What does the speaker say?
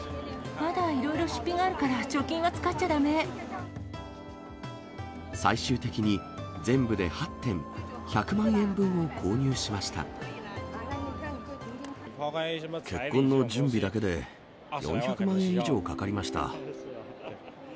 まだいろいろ出費があるから、最終的に、全部で８点、結婚の準備だけで４００万円以上かかりました。